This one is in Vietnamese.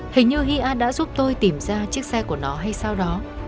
hình như hy a đã giúp tôi tìm ra chiếc xe của nó hay sao đó